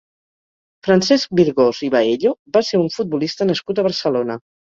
Francesc Virgós i Baello va ser un futbolista nascut a Barcelona.